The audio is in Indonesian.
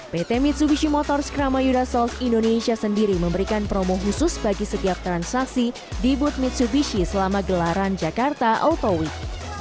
pt mitsubishi motor scramayuda source indonesia sendiri memberikan promo khusus bagi setiap transaksi di booth mitsubishi selama gelaran jakarta auto week